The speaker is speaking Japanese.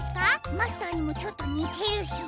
マスターにもちょっとにてるし。